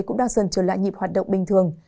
cũng đang dần trở lại nhịp hoạt động bình thường